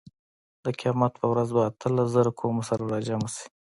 د قیامت په ورځ به اتلس زره قومونه سره راجمع شي.